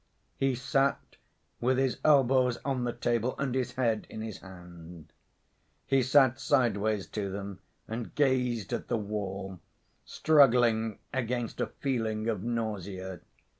He sat with his elbows on the table and his head in his hand. He sat sideways to them and gazed at the wall, struggling against a feeling of nausea.